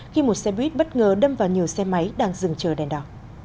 khi một xe buýt bất ngờ đâm vào nhiều xe máy đang dừng chờ đèn đỏ